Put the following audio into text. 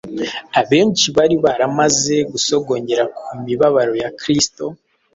abenshi bari baramaze gusogongera ku mibabaro ya kristo,